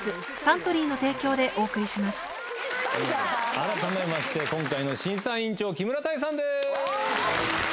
改めまして今回の審査委員長木村多江さんです。